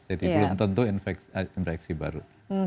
jadi belum tentu infeksi baru